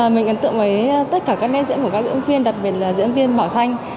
mình ấn tượng với tất cả các nét diễn của các diễn viên đặc biệt là diễn viên bảo thanh